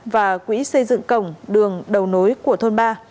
và quỹ xây dựng cổng đường đầu nối của thôn ba